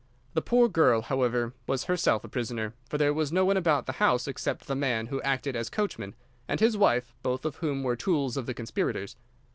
The poor girl, however, was herself a prisoner, for there was no one about the house except the man who acted as coachman, and his wife, both of whom were tools of the conspirators.